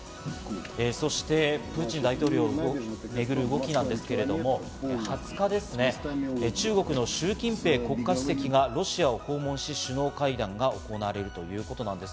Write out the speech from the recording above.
そしてプーチン大統領を巡る動きなんですけど、２０日ですね、中国のシュウ・キンペイ国家主席がロシアを訪問し、首脳会談が行われるということなんです。